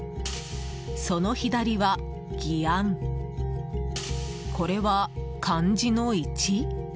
その左は、「議案」これは、漢字の「一」？